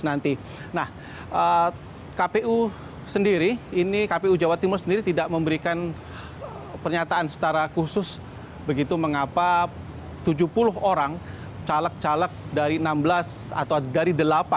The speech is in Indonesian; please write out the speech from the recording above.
nah kpu sendiri ini kpu jawa timur sendiri tidak memberikan pernyataan secara khusus begitu mengapa tujuh puluh orang caleg caleg dari enam belas atau dari delapan